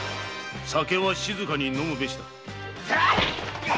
「酒は静かに飲むべし」だ。